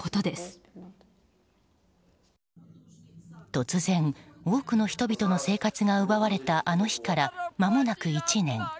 突然、多くの人々の生活が奪われたあの日からまもなく１年。